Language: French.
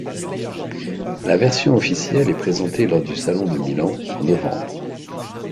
La version officielle est présentée lors du salon de Milan en novembre.